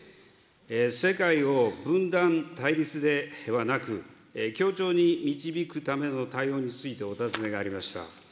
世界を分断・対立ではなく、協調に導くための対応についてお尋ねがありました。